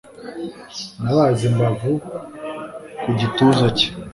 nabaze imbavu ku gituza cye